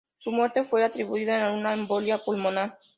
Su muerte fue atribuida a una embolia pulmonar.